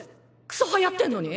くそはやってんのに！？